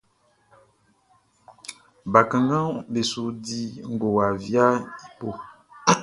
Bakannganʼm be su di ngowa viaʼn i bo.